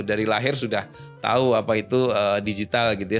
dari lahir sudah tahu apa itu digital gitu ya